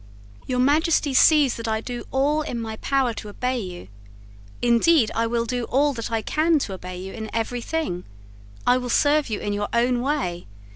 "Your Majesty sees that I do all in my power to obey you. Indeed I will do all that I can to obey you in every thing. I will serve you in your own way.